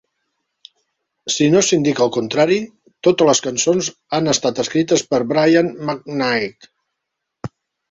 Si no s'indica el contrari, totes les cançons han estat escrites per Brian McKnight.